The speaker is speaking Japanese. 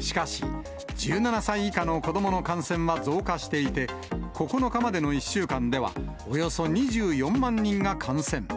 しかし、１７歳以下の子どもの感染は増加していて、９日までの１週間ではおよそ２４万人が感染。